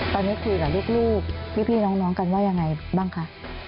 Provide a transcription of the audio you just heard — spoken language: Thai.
ตอนนี้คุยกับลูกพี่น้องกันว่ายังไงบ้างคะ